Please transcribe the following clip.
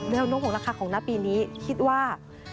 แนวโน้มของราคาของหน้าปีนี้คิดว่า